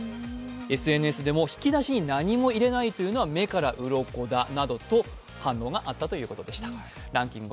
ＳＮＳでも、引き出しに何も入れないというのは目からうろこだなどと反応があったということでした。